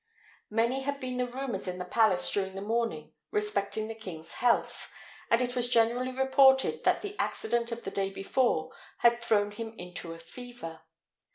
Many had been the rumours in the palace during the morning respecting the king's health, and it was generally reported that the accident of the day before had thrown him into a fever.